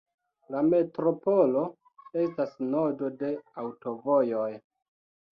La metropolo estas nodo de aŭtovojoj.